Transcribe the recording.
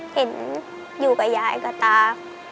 เห็นอยู่กับยายกับตา